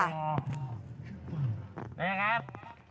นี่ครับ